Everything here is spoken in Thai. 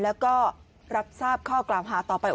แล้วก็รับทราบข้อกล่าวหาต่อไป